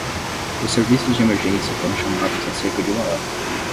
Os serviços de emergência foram chamados há cerca de uma hora.